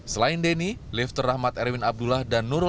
selain denny lifter rahmat erwin abdullah dan nur rufiq